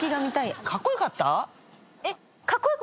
カッコ良かった？